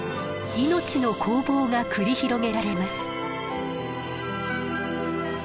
命の攻防が繰り広げられます。